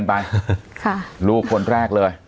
อุ้มิทัศน์มันก็มองรถนี่